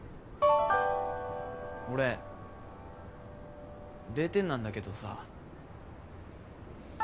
俺０点なんだけどさ。